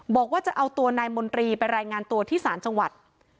บอกว่าจะเอาตัวนายมนตรีไปรายงานตัวที่ศาลจังหวัด